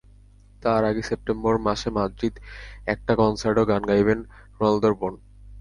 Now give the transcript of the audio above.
তার আগে সেপ্টেম্বর মাসে মাদ্রিদে একটা কনসার্টেও গান গাইবেন রোনালদোর বোন।